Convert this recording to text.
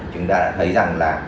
chúng ta đã thấy rằng